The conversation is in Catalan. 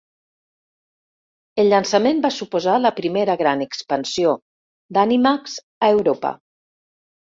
El llançament va suposar la primera gran expansió d'Animax a Europa.